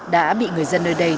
đã bị người dân nơi đây